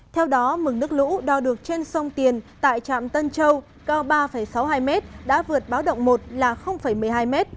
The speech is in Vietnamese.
theo đó mực nước lũ đo được trên sông tiền tại trạm tân châu cao ba sáu mươi hai m đã vượt báo động một là một mươi hai m